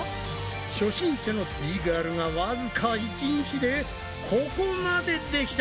初心者のすイガールがわずか１日でここまでできた！